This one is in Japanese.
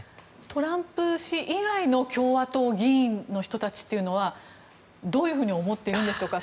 トランプ氏以外の共和党議員の人たちはどういうふうに思っているんでしょうか。